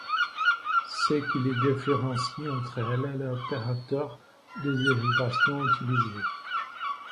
Ce qui les différencie entre elles est l'opérateur de dérivation utilisé.